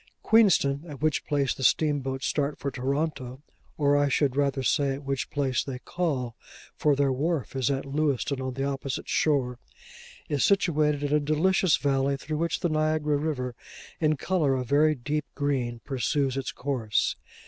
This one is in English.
Queenston, at which place the steamboats start for Toronto (or I should rather say at which place they call, for their wharf is at Lewiston, on the opposite shore), is situated in a delicious valley, through which the Niagara river, in colour a very deep green, pursues its course.